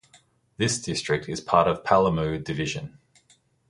This district is part of Palamu division.